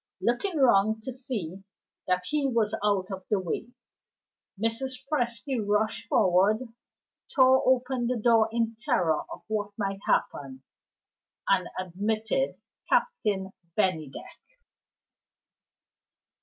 Looking round to see that he was out of the way, Mrs. Presty rushed forward tore open the door in terror of what might happen and admitted Captain Bennydeck.